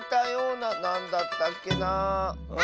なんだったっけなあ。